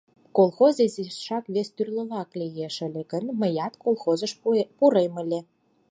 Колхоз изишак вестӱрлырак лиеш ыле гын, мыят колхозыш пурем ыле...